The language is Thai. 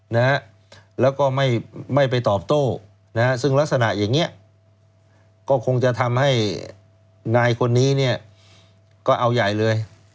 นะฮะแล้วก็ไม่ไม่ไปตอบโต้นะฮะซึ่งลักษณะอย่างเงี้ยก็คงจะทำให้นายคนนี้เนี่ยก็เอาใหญ่เลย